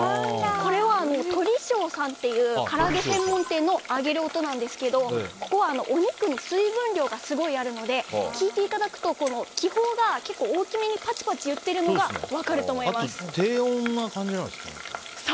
これは、鶏笑さんというから揚げ専門店の揚げる音なんですがここはお肉の水分量がすごいあるので聞いていただくと気泡が結構大きめにパチパチいっているのが低温な感じじゃないですか？